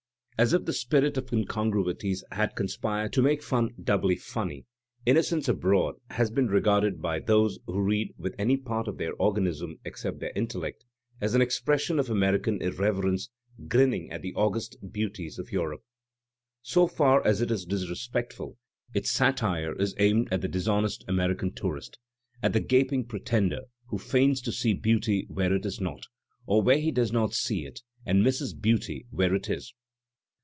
As if the spirit of incongruities had con spired to make fun doubly funny, "Innocents Abroad has been regarded, by those who read with any part of their organism except their intellect, as an expression of American irreverence grinning at the august beauties of Europe. So far as it is disrespectful, its satire is aimed at the dishonest American tourist, at the gaping pretender who feigns to see beauty where it is not, or where he does not see it, and misses beauty where it is.